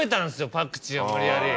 パクチーを無理やり。